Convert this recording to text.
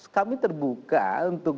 kami terbuka untuk